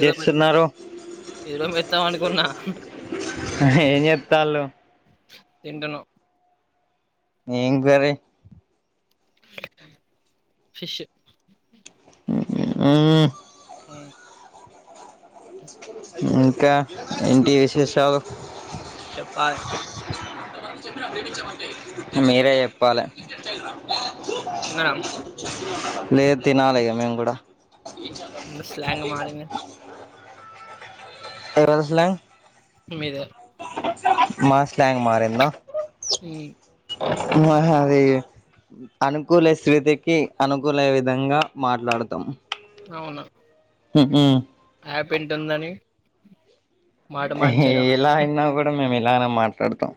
ఈ రోజ్ మెత్ చేస్తున్నారు ఈ రోజ్ మెత్తగా పడుకున్న ఆహా ఏం చెత్తాళ్లు తింటను ఏం కర్రీ ఫిష్ ఉమ్ ఇంకా ఇంటి విశేషాలు చెప్పాలే మీరే చెప్పాలె తిన్నారా లేదు తినాలి ఇగ మేం కూడ స్లాంగ్ మారింది ఏదో స్లాంగ్ మీద మా స్లాంగ్ మారిందా మా హ అది అనుకూల సృతికి అనుకూల విధంగా మాట్లడతాం అవునా ఉహు ఊ అప్ ఇంటుందని ఎ హి ఎలా అయినా గుడ మేము ఇలానే మాట్లడతాం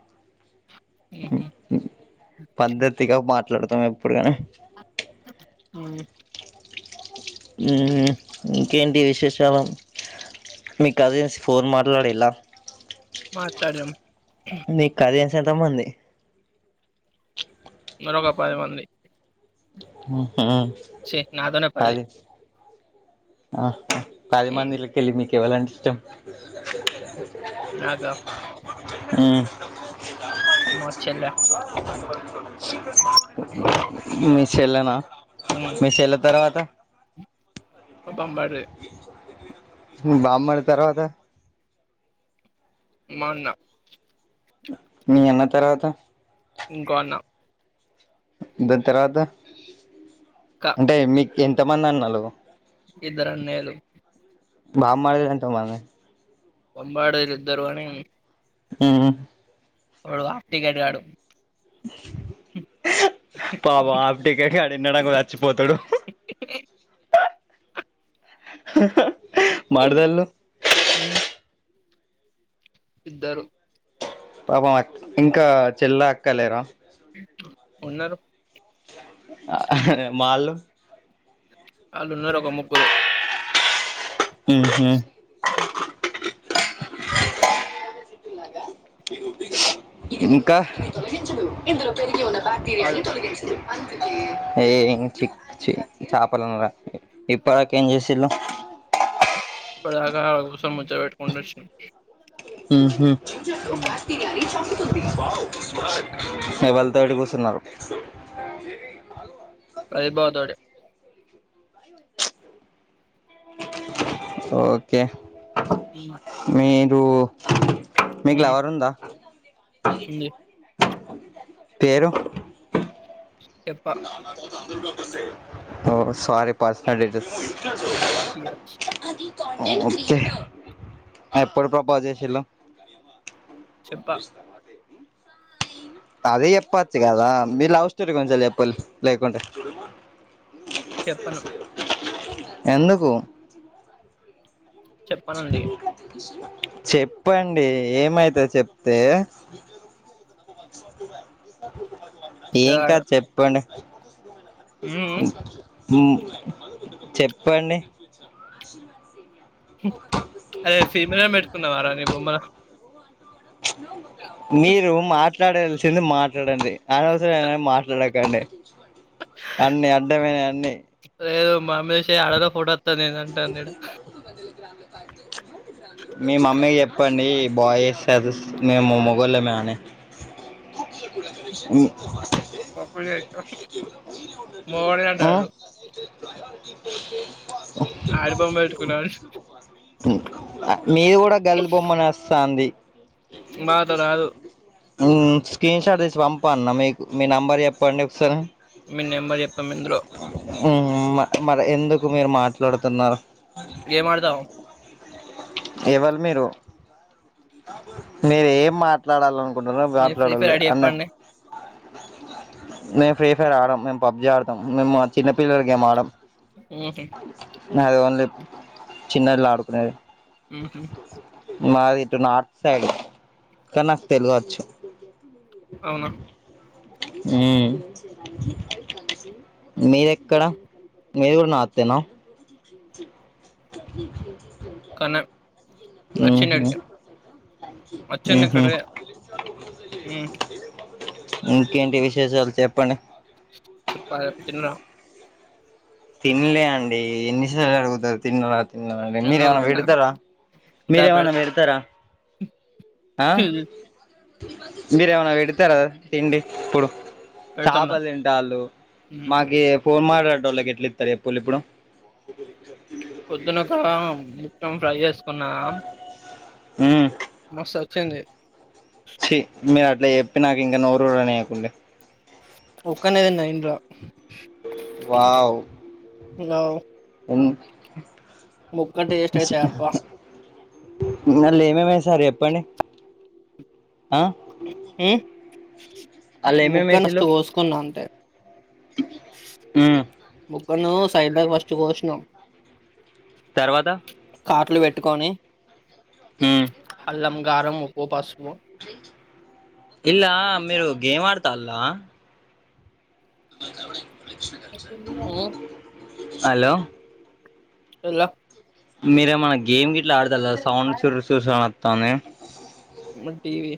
ఏటి మాట్లడతము ఎప్పుడు గని ఉమ్ ఉ హు ఇంకేంటి విశేష శాలు మీ కట్ జేసి ఫోన్ మాట్లాడి ఎల్లా మాట్లాడం మీ కజిన్స్ ఎంతమంది మరోక పది మంది ఉ హు ఛీ నాతోనే పది అది ఆ పది మందిళకెళ్ళి మీకెవళంటే ఇష్టం నాకా ఉ మా చెల్లె మీ చెల్లెనా మీ చెల్లె తర్వాత బాంబర్ది బామ్మరిది తర్వాత మా అన్న మీ అన్న తర్వాత ఇంకో అన్న తర్వాత అక్క అంటే మీక్ ఎంత మందన్నలు ఇద్దరన్నయ్యలు బామ్మర్దిలెంతమంది పంబాడు దిద్దరువని ఊ వాడు హాఫ్ టికెట్ గాడు పాపం ఆఫ్ డికెట్ గాడిన్నడకో అచ్చిపోతుడు మరదళ్ళు ఉ ఇద్దరు పాపం అ ఇంకా చెల్లా అక్కలేరా ఉన్నరు అరె మాల్లు ఆళ్ళున్నరొక ముగ్గురు ఊహు ఇంకా పాలు ఏంచిక్ చి చేపలన్నరా ఇప్పటి దాకా ఏం చేసిళ్ళు ఇప్పడిదాక ఆడ కుసోని ముచ్చట పెట్టుకుంటొచ్చినం ఊహు ఎవళ్తోటి కూసునరు రవి బావ తోటి ఓకే మీరు మీకు ఉమ్ లవరుంద ఉంది పేరు చెప్ప ఓ సారీ పర్సనల్ బకియాచ్ ఓకే ఎప్పుడు పా ప చేేసిల్లో చెప్ప అదే జెప్పచ్చు గదా మీ లవ్ స్టోరీ గుంచే చెప్పుల్ లేకుంటే చెప్పను ఎందుకు చెప్పనండి చెప్పండి ఏమైత చెప్తే శివగాడు ఏంకాద్ చెప్పండి ఉమ్ మ్మ్ చెప్పండి అదే ఫీమేల్ పెట్టుకున్నావారా నీ బొమ్మ మీరు మాట్లాడాల్సింది మాట్లాడండి అనవసర ఏనా మాట్లాడకండి అన్నీ అడ్డమే అన్ని లేదు మామిషే ఆడేదో ఫోటో అత్తాందేదో అంటాంద్ జూడు మీ మమ్మీ చెప్పండి బాయ్ వేస్తదు మేము మొగోళ్ళమే అని ఉమ్ ఊ మొగోడిని అంటాండు ప ఆల్బమ్ పెట్టుకున్నారు మీది కూడా గల్ది బొమ్మనే వస్తాంది మాదు రాదు ఉమ్ స్క్రీన్ షాట్ తీసి పంపల్నా మీకు మీ నెంబర్ చెప్పండి ఒక్సారి మీ నెంబర్ చెప్పం ఇందులో ఉమ్ మరి ఎందుకు మీరు మాట్లాడుతున్నారు? ఏమాడదావ్ ఎవళ్ మీరు మీరు ఏం మాట్లాడాలను ట్లాడాలనుకుంటున్నారు మీరు ఫ్రీ ఫైర్ మాట్లాడుళ్లి ఐడి అన్నే చెప్పండి నే ఫ్రీ ఫైర్ ఆడం మేము పబ్జీ ఆడతం మేము మా చిన్న పిల్లల గేమ్ ఆడం ఊహు అది ఓన్లీ చిన్నోళ్ళు ఆడుకునేది ఊహు మాది ఇటు నార్త్ సైడ్ కానీ నాకు తెలుగువచ్చు అవ్ నా? ఉమ్ మీదెక్కడ మీది కూడా నాత్తేనా కన్ ఊహు అచ్చెన్న ఇక్కడే ఊ ఇంకేంటి విశేషాలు చెప్పండి? చెప్పలి తిన్నా తిన్లే అండి ఎన్నిసార్లు అడుగుతారు తిన్నారా మండి ఎందుకు మీరేమన్నా తిన్నా పెడుతారా దా మీరేమన్నా పెడత పెడుతరా? ఆ మీరేమ్మన్నా పెడుతార తిండి ఇప్పుడు పెడతాందా చేపల్ తింటాళ్ళు మాకి ఫోన్ మాట్లాడేటోళ్ళకి ఎట్ల ఇ త్తరు చెప్పుల్లి ఇప్పుడు పొద్దున ఒక మొత్తం ఫ్రై చేసుకున్నా హ్ము్ మస్థోచ్చింది ఛీ మీరు అట్ల చెప్పి నాకు ఇంగ నోరు ఊరనీయకున్లీ ఒక్కన్నే దిన్నా ఇంట్లో వావ్ హలో ఏం ముక్క టేస్ట్ అయితే అబ్బా దాంట్లో ఏమేమేసారు చెప్పండి ఆ అల్ల ఊ ఏమేమి ముక్క నష్టు వేసిల్లు కోసుకున్నా అంతే ఉమ్ ముక్కను సైడ్లో ఫస్టు గోష్నా తర్వాత కాట్లు పెట్టుకొని ఉమ్ అల్లం, గారం ఓ పాస్మో ఇలా మీరు గేమ్ ఆడతల్లా [unintelligible] ఉ హలో హలో మీరేమన్నా గేమ్ గిఇట్ల ఆడతల్లా సౌండ్ చూ సుర్ సుర్ సౌండ్ అత్తంది మరి టీవీ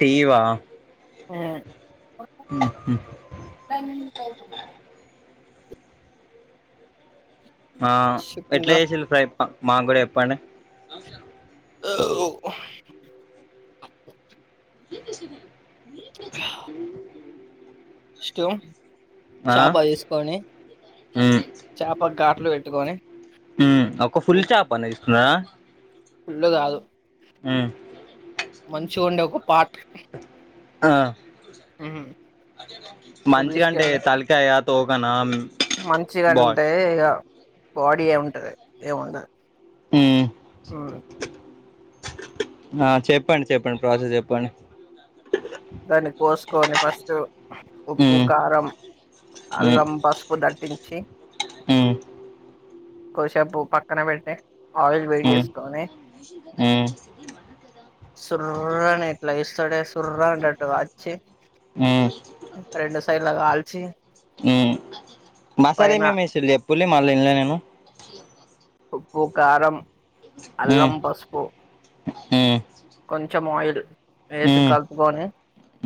టీవా ఆ ఉహూ అంటరు ఆ ఎట్లా ఇంకా చేసింళ్ళు ప్రయిప మాకు గుడా చెప్పండి ఓ ఉవ్.. హ్ మీ సన్నా మీద జల్లుతున్న స్టు ఆ చాప తీసుకొని చాప గాట్ ట్లు పెట్టుకొని ఉ ఒక ఫుల్ చాపని తీసుకున్నారా ఫుల్లు గాదు ఉమ్ మంచిగుండే ఒక పాట్ ఆ మ్మ్ మంచిగంటే తలికాయ ఆ తోకనా మ్ మంచిగంటే ఇగ బాడీ ఏ ఉం టది ఏముండద్ మ్మ్ ఉమ్మ్ ఆ చెప్పండి చెప్పండి ప్రాసెస్ చెప్పండి దాన్ని కోసుకొని ఫస్ట్ ఉప్పు మ్మ్ కారం అల్లం పసుపు దట్టించి ఉమ్మ్ కొషేపు పక్కన బెట్టే ఆయిల్ వేడి మ్మ్ చేసుకొని సుర్రని ఎట్ల ఏస్తడే సుర్రనెటట్టు వచ్చి మ్మ్ మ్మ్ రెండు సైడ్ల గాల్చి ఉమ్ మసాలా ఏమేమ్ ఏసిండ్లు చెప్పున్లీ మళ్ళీ ఇంన్లే నేను ఉప్పు కారం అల్లం పసుపు ఉ హూ కొంచెం ఆయిల్ వేసి కలుపుకొని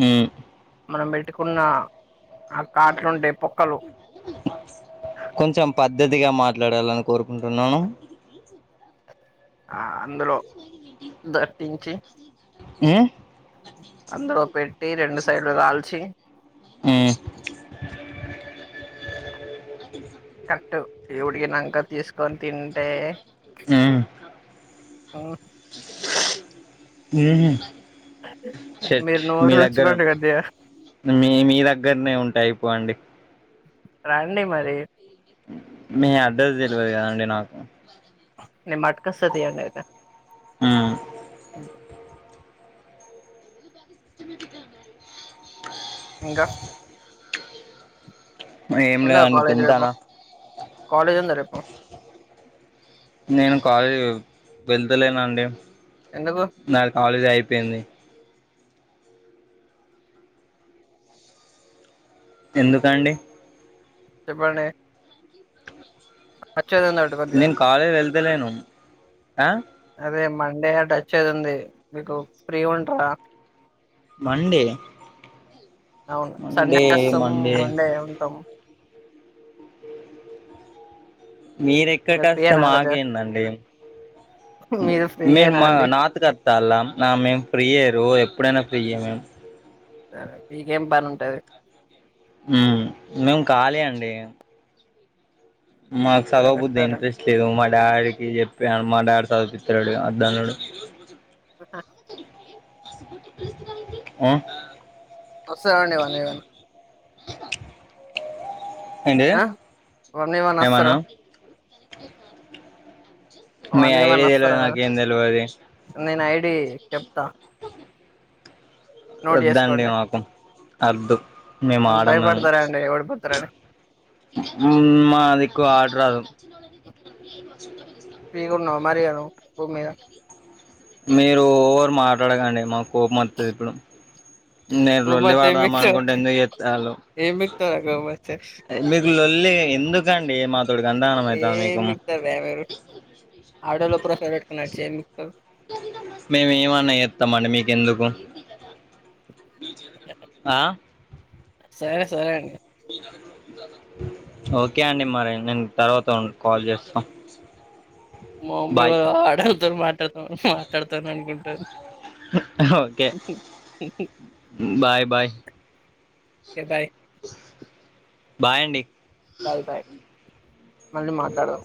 మ్మ్ మనం పెట్టుకున్న ఆ కాట్లుంటాయి పొక్కలు కొంచెం పద్ పద్ద్దదిగా మాట్లాడాలని కోరుకుంటున్నాను ఆ అందులో దటించి ఉ అందులో పెట్టి రెండు సైడ్లు గల్చి మ్మ్ టూ దేవుడికినాంక తీసుకొని తింటే ఉ ఆ మీరేం చేస్తా మీరు నోరు [unintelligible] కొద్దిగా మీ మీ దగ్గరనే ఉంటె అయిపోవండి. రండి మరి మీ అడ్రస్ తెలువదు కదండి నాకు నేను పట్కాస్త తీయండి మ్మ్ త కది ఉన్నా ఇంకా ఏం ఉందా లేదండి కాలేజ్ తింటాన రేపు కాలేజ్ ఉందా రేపు నేను కాలేజ్ వెళ్తలేనండి ఎందుకు నాది కాలేజీ అయిపోయింది ఎందుకు అండి చెప్పండి అచ్చేది ఉంది అటుగా కొద్దిగా లేను ఆ అదే మండే అటు అచ్చేది ఉంది. మీకు ఫ్రీ ఉంటదా రండి అవును సండే వస్తాం మండే ఉంటాం. మీరు మీరెక్కడికస్తే ఫ్రీయేనా కొద్దిగా మాకేందండి మీరు ఫ్రీయేనా మా అండి నార్త్కు ఆత్తల్ల నా మేము ఫ్రీయే రోజు ఎప్పుడైనా ఫ్రీయే మేము మీకేం పని ఉంటది హ్ మేము కాలి అండి మాకు సరే సాధవబుద్ధి సరే ఇంట్రెస్ట్ లేదు మ డాడీకి చెప్పా మా డాడి చదుపిత్తలేడు. అద్దన్నాడు ఆ ఆ వస్తాయి అండి [unintelligible] ఏంటది వన్ వి వన్ వస్తారా ఏమన్నావు వన్ బి వన్ వస్తారా నాకేం తెలవది నేను ఐడి చెప్తా నోట్ వద్దు అండి చేసుకోండి మాకు అద్దు మేము ఆడము భయపడతారండి ఓడిపోతారని హ్ మా దిక్కు ఆడా రాదు ఫ్రీగా ఉన్నావ మరి ఇగ భూమి మీద మీరు ఎవ్వరు మాట్లాడకండి మా కోపం అత్తది ఇప్పుడు నేను లోల్లి గోమాత ఏం పడదాం బికుతావ్ అనుకుంటే ఎందుకు చెస్తలు ఏం బికుతావురా గోమాత మీరూ లొల్లి ఎందుకంటె రే మాతోటి అంతగానం అయితంద ఏం మీకు బికుతారురా మీరు ఆడోళ్ళ ప్రొఫైల్ పెట్టుకుని వచ్చి ఏం బికుతావ్ మేము ఏమన్నా చేస్తామండి మీకెందుకు ఆ సరే సరే అండి ఓకే అండి మరి నేను తర్వాత కాల్ చేస్తా మా మామ్మీ బాయ్ వాల్ల ఆడొల్ల తోను మాట్లాడుతాం మాట్లాడుతాను అనుకుంటది హ్ okay bye bye bye bye అండి బయ్ బయ్ మళ్ళీ మాట్లాడదాం